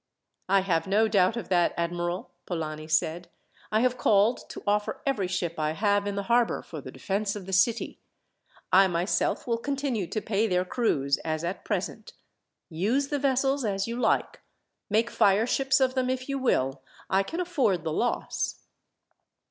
"I have no doubt of that, admiral," Polani said. "I have called to offer every ship I have in the harbour, for the defence of the city. I myself will continue to pay their crews, as at present. Use the vessels as you like. Make fire ships of them if you will. I can afford the loss."